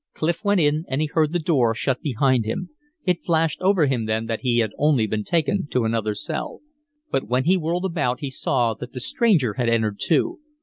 Clif went in, and he heard the door shut behind him. It flashed over him then that he had only been taken to another cell. But when he whirled about he saw that the stranger had entered, too.